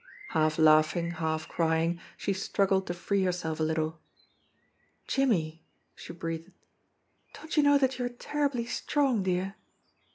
Half laughing, half crying, she struggled to free herself a little. "Jimmie," she breathed, "don't you know that you are ter ribly strong, dear